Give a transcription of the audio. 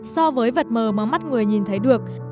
so với vật mờ mà mắt người nhìn thấy được